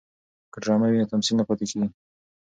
که ډرامه وي نو تمثیل نه پاتې کیږي.